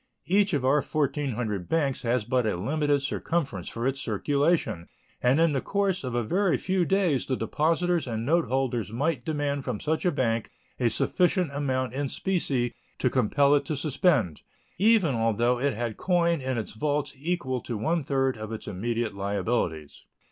Each of our 1,400 banks has but a limited circumference for its circulation, and in the course of a very few days the depositors and note holders might demand from such a bank a sufficient amount in specie to compel it to suspend, even although it had coin in its vaults equal to one third of its immediate liabilities.